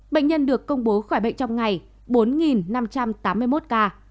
bệnh nhân được công bố khỏi bệnh trong ngày bốn năm trăm tám mươi một ca